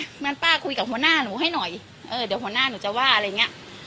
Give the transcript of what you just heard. งั้นป้าคุยกับหัวหน้าหนูให้หน่อยเออเดี๋ยวหัวหน้าหนูจะว่าอะไรอย่างเงี้ย